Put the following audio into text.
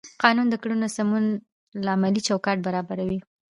قانون د کړنو د سمون عملي چوکاټ برابروي.